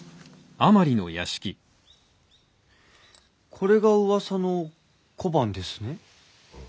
これがうわさの小判ですね？